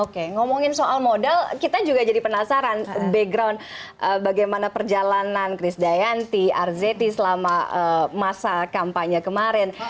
oke ngomongin soal modal kita juga jadi penasaran background bagaimana perjalanan chris dayanti arzeti selama masa kampanye kemarin